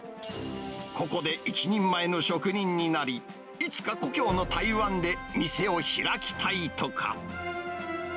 ここで一人前の職人になり、いつか故郷の台湾で店を開きたいとか。